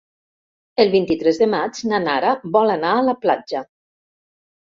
El vint-i-tres de maig na Nara vol anar a la platja.